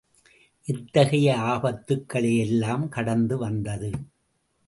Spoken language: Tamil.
எத்தகைய ஆபத்துக் களையெல்லாம் கடந்துவந்தது?